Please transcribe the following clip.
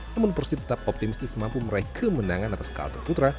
namun persib tetap optimistis mampu meraih kemenangan atas kalte putra